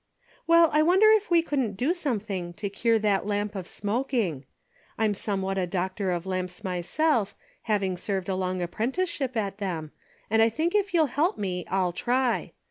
" Well, I wonder if we couldn't do something to cure that lamp of smoking. I'm somewhat a doctor of lamps myself, having served a long apprenticeship at them, and I think if you'll help me I'll try.